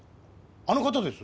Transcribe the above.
あの方ですよ！